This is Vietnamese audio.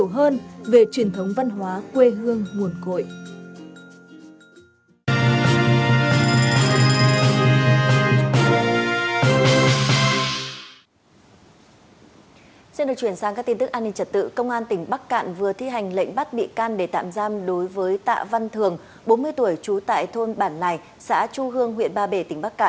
hãy đăng ký kênh để nhận thông tin nhất